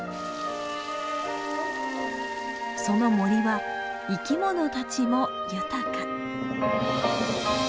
その森は生きものたちも豊か。